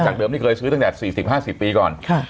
จากเดิมนี่เคยซื้อตั้งแต่สี่สิบห้าสี่ปีก่อน